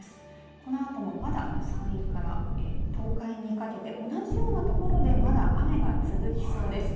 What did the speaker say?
このあともまだ山陰から東海にかけて同じようなところでまだ雨が続きそうです。